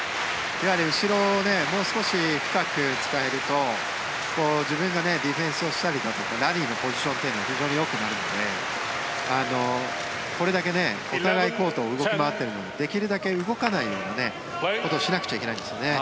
後ろをもう少し深く使えると自分がディフェンスをしたりだとかラリーのポジションというのが非常によくなるのでこれだけお互いコートを動き回っているのでできるだけ動かないようにしなくちゃいけないんですね。